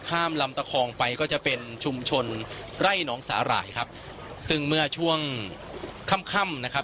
ลำตะคองไปก็จะเป็นชุมชนไร่น้องสาหร่ายครับซึ่งเมื่อช่วงค่ำค่ำนะครับ